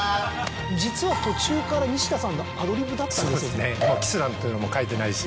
実は途中から西田さんのアドリブだったんですよね。